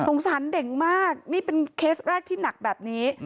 สารเด็กมากนี่เป็นเคสแรกที่หนักแบบนี้